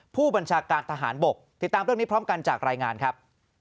ผู้บัญชาการทหารบกติดตามเรื่องนี้พร้อมกันจากรายงานครับ